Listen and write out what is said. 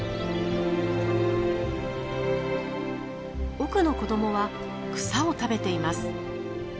奥の子どもは草を食べています。